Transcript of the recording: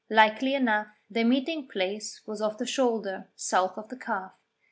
Likely enough their meeting place was off the Shoulder, south of the Calf.